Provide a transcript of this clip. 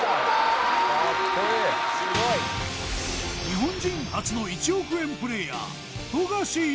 日本人初の１億円プレーヤー